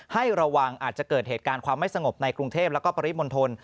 ให้ระวังอาจจะเกิดเหตุการณ์ความไม่สงบในกรุงเทพแล้วก็ปริมณฑล